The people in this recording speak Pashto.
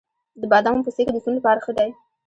د بادامو پوستکی د سون لپاره ښه دی؟